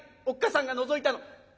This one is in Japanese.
おっ母さんがのぞいたの。